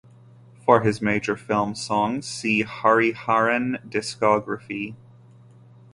For his major film songs, see Hariharan discography.